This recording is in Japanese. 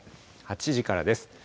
８時からです。